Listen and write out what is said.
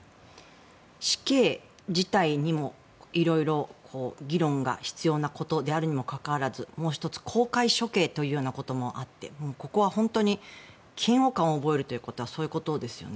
死刑自体にも色々、議論が必要なことであるにもかかわらずもう１つ公開処刑ということもあってここは本当に嫌悪感を覚えるということはそういうことですよね。